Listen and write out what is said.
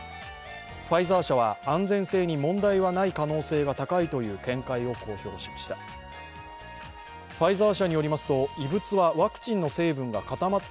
ファイザー社は、安全性に問題はない可能性が高いという見解を公表しました。